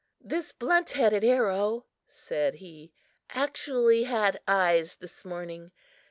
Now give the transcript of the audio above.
"This blunt headed arrow," said he, "actually had eyes this morning.